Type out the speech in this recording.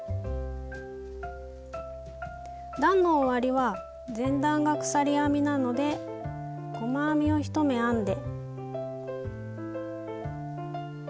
段の終わりは前段が鎖編みなので細編みを１目編んで。